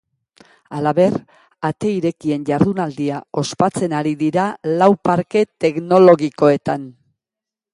Halaber, ate irekien jardunaldia ospatzen ari dira lau parke teknologikoetan.